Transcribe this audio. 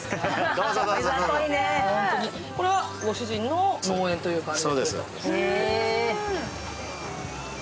これはご主人の農園という感じ？